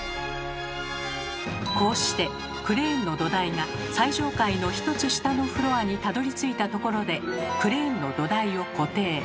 こうしてクレーンの土台が最上階の１つ下のフロアにたどりついたところでクレーンの土台を固定。